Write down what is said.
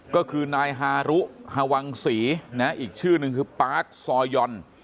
ก็คือนายฮารุฮาวังศรีอีกชื่อนึงคือปาร์คซอยยอน